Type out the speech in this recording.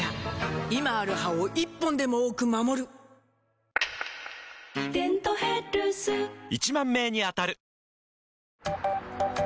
今ある歯を１本でも多く守る「デントヘルス」１０，０００名に当たる！